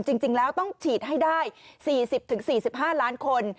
จริงแล้วต้องฉีดให้ได้๔๐๔๕ล้านคน